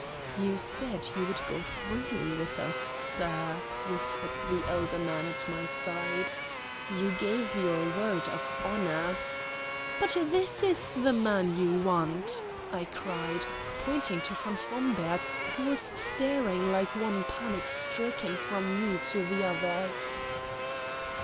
"You said you would go freely with us, sir," whispered the elder man at my side. "You gave your word of honor." "But this is the man you want," I cried, pointing to von Fromberg, who was staring like one panic stricken from me to the others.